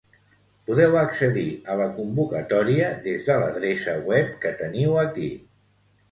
Podeu accedir a la convocatòria des de l'adreça web que teniu aquí.